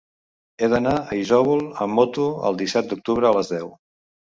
He d'anar a Isòvol amb moto el disset d'octubre a les deu.